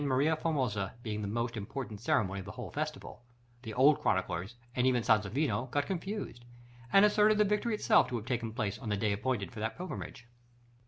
Maria Formosa being the most important ceremony of the whole festival, the old chroniclers, and even Sansovino, got confused, and asserted the victory itself to have taken place on the day appointed for that pilgrimage.